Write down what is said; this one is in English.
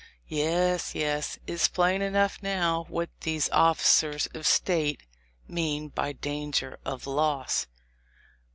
Yes, yes: it's plain enough now what these officers of State mean by 'danger of loss.'